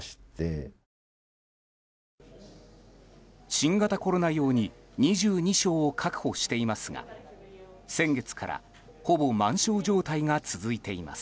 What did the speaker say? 新型コロナ用に２２床を確保していますが先月からほぼ満床状態が続いています。